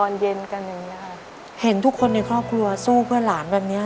นี้ค่ะเห็นทุกคนในครอบครัวสู้เพื่อหลานแบบนี้